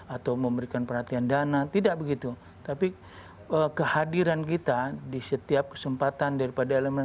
atau memberikan perhatian dana tidak begitu tapi kehadiran kita di setiap kesempatan daripada elemen